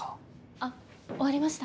あっ終わりました。